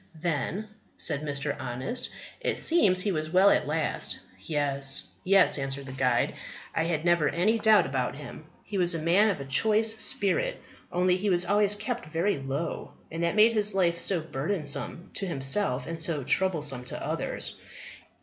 "Then," said Mr. Honest, "it seems he was well at last." "Yes, yes," answered the guide, "I never had any doubt about him; he was a man of a choice spirit, only he was always kept very low, and that made his life so burdensome to himself and so troublesome to others.